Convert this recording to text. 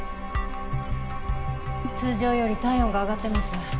通常より体温が上がってます。